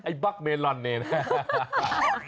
ไอ้บั๊กเมลอนนี่นะ